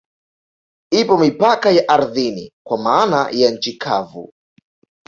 Ipo mipaka ya ardhini kwa maana ya nchi kavu